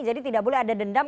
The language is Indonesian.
jadi tidak boleh ada dendam